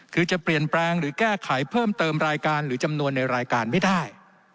คือจะเปลี่ยนแปลงหรือแก้ไขเพิ่มเติมรายการหรือจำนวนในรายการไม่ได้